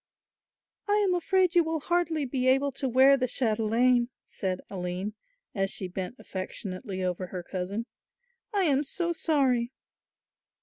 "I am afraid you will hardly be able to wear the chatelaine," said Aline, as she bent affectionately over her cousin. "I am so sorry."